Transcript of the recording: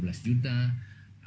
ada stok yang ada di